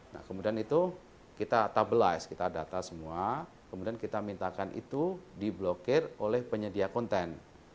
nah kemudian itu kita tabelize kita data semua kemudian kita mintakan itu diblokir oleh penyedia konten